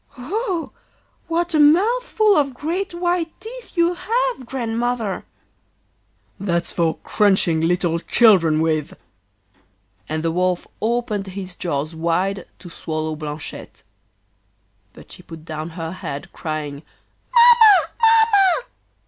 'Oh! what a mouthful of great white teeth you have, Grandmother!' 'That's for crunching little children with!' And the Wolf opened his jaws wide to swallow Blanchette. But she put down her head crying: 'Mamma! Mamma!